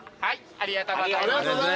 ありがとうございます。